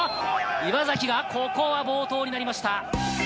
岩崎がここは暴投になりました。